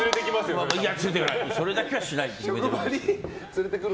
それだけはしないって決めてる。